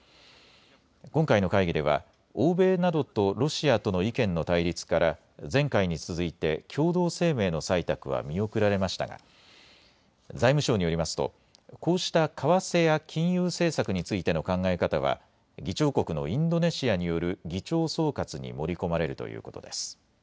今回の会議では欧米などとロシアとの意見の対立から前回に続いて共同声明の採択は見送られましたが財務省によりますとこうした為替や金融政策についての考え方は議長国のインドネシアによる議長総括に盛り込まれるということです。